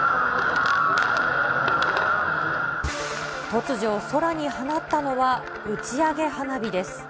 突如、空に放ったのは、打ち上げ花火です。